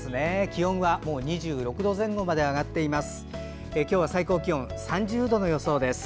気温はもう２６度前後まで上がっています。